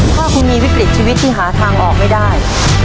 ถ้าคุณมีวิกฤตชีวิตที่หาทางออกไม่ได้